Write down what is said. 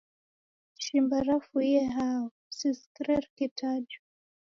Shimba rafumie hao? Sisikire rikitajwa.